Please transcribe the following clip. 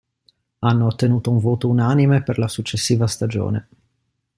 Hanno ottenuto un voto unanime per la successiva stagione.